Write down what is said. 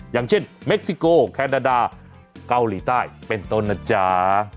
อย่างเช่นเม็กซิโกแคนาดาเกาหลีใต้เป็นต้นนะจ๊ะ